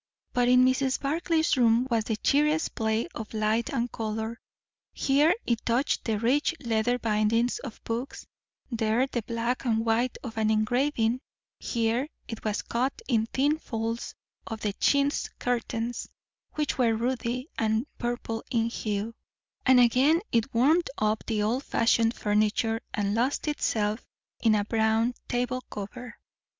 But in Mrs. Barclay's room was the cheeriest play of light and colour; here it touched the rich leather bindings of books, there the black and white of an engraving; here it was caught in tin folds of the chintz curtains which were ruddy and purple in hue, and again it warmed up the old fashioned furniture and lost itself in a brown tablecover.